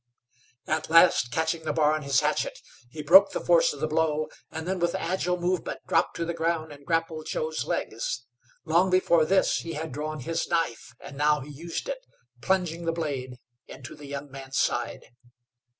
At last, catching the bar on his hatchet, he broke the force of the blow, and then, with agile movement, dropped to the ground and grappled Joe's legs. Long before this he had drawn his knife, and now he used it, plunging the blade into the young man's side.